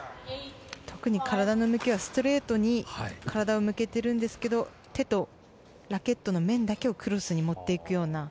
特に体の向きがストレートに体を向けてますが手とラケットの面だけをクロスに持っていくような。